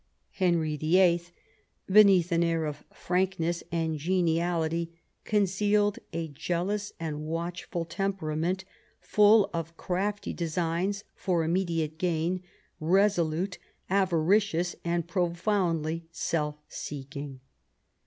Henry VIII beneath an air of frankness and geniality con cealed a jealous and watchful temperament^ full of crafty designs for immediate gain, resolute, avaricious, and profoundly self seeking.